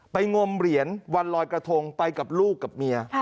งมเหรียญวันลอยกระทงไปกับลูกกับเมีย